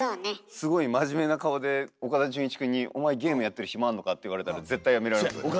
すごい真面目な顔で岡田准一くんに「お前ゲームやってるヒマあるのか？」って言われたら絶対やめられますよ。